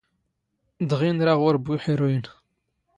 ⴷⵖⵉ ⵏⵔⴰ ⵖⵓⵔ ⴱⵓ ⵉⵃⵔⵓⵢⵏ.